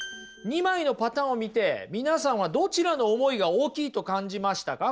２枚のパターンを見て皆さんはどちらの思いが大きいと感じましたか？